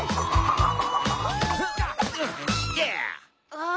ああ。